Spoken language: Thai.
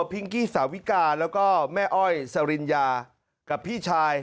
กี้สาวิกาแล้วก็แม่อ้อยสริญญากับพี่ชาย